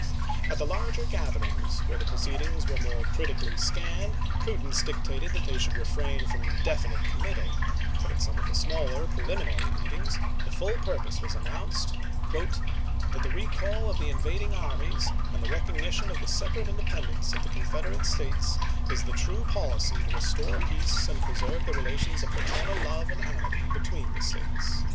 At the larger gatherings, where the proceedings were more critically scanned, pru dence dictated that they should refrain from definite committal ; but at some of the smaller preliminary meetings the full purpose was announced " that the recall of the invading ai*mies, and the recognition of the separate independence of the Confederate States, is the true policy to restore peace and preserve the relations of fraternal love and amity between the States."